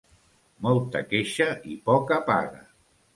Molta queixa i poca paga.